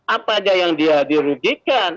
apa aja yang dia dirugikan